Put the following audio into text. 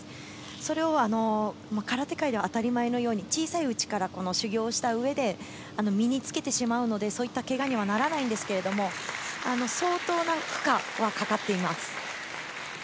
それを空手界では当たり前のように小さいうちから修行をしたうえで、身につけてしまうので、そういったけがにはならないんですけれど、相当な負荷はかかっています。